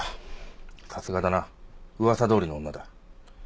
さすがだな。噂どおりの女だ。